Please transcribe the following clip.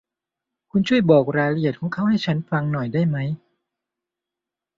คุณช่วยบอกรายละเอียดของเขาให้ฉันฟังหน่อยได้ไหม ?